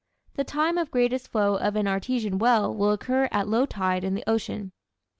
The time of greatest flow of an artesian well will occur at low tide in the ocean.